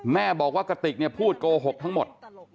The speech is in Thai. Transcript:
แม่บอกว่ากติกเนี่ยพูดโกหกทั้งหมด